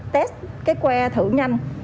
test cái que thử nhanh